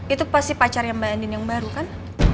itu pasti pacar yang mbak endin yang baru kan